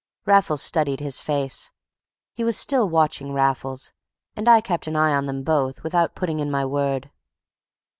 Raffles studied his face; he was still watching Raffles; and I kept an eye on them both without putting in my word.